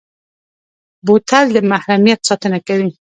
بوتل د محرمیت ساتنه کوي.